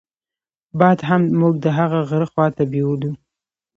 باد هم موږ د هغه غره خواته بېولو.